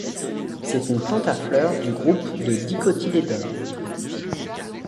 C’est une plante à fleur, du groupe de dicotylédone.